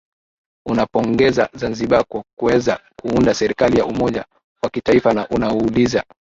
unapongeza zanzibar kwa kuweza kuunda serikali ya umoja wa kitaifa na unauliza